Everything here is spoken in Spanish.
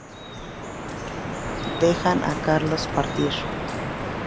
Dejan a Carlos partir.